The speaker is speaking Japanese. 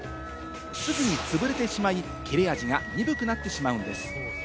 すぐに潰れてしまい、切れ味が鈍くなってしまうんです。